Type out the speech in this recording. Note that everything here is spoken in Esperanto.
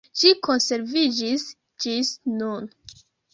Ĝi konserviĝis ĝis nun.